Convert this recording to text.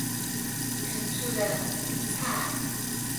遠處的雲彩